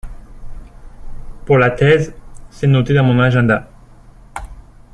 Pour la thèse, c’est noté dans mon agenda.